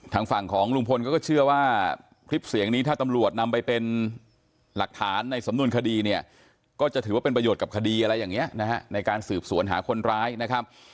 ทางฝั่งของลุงพลก็เชื่อว่าคลิปเสียงนี้ถ้าตำรวจนำไปเป็นหลักฐานในสำนวนคดีเนี่ยก็จะถือว่าเป็นประโยชน์กับคดีอะไรอย่างนี้นะฮะในการสืบสวนหาคนร้ายนะครับ